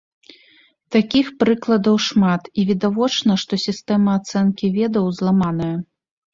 Такіх прыкладаў шмат, і відавочна, што сістэма ацэнкі ведаў зламаная.